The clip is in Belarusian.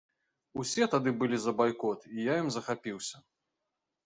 Усе тады былі за байкот, і я ім захапіўся.